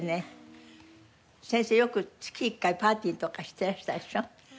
先生よく月１回パーティーとかしていらしたでしょう？